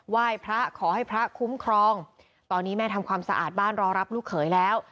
ไหว้พระขอให้พระคุ้มครองตอนนี้แม่ทำความสะอาดบ้านรอรับลูกเขยแล้ว